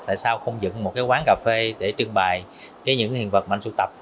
tại sao không dựng một quán cà phê để trưng bày những hiện vật mà anh sưu tập